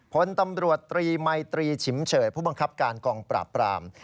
ผลตำรวจตรีมัยตรีฉิมเฉยผู้บังคับการกองปราบปราม